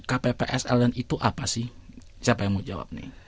kppsln itu apa sih siapa yang mau jawab nih